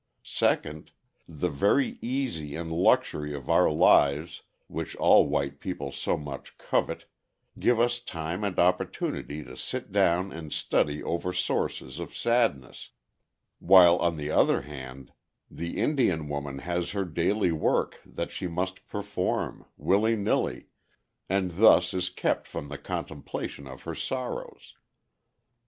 Second: The very ease and luxury of our lives which all white people so much covet, give us time and opportunity to sit down and study over sources of sadness, while on the other hand, the Indian woman has her daily work that she must perform, willy nilly, and thus is kept from the contemplation of her sorrows.